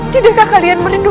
tidakkah kalian berpikir